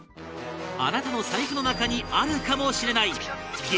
あなたの財布の中にあるかもしれない激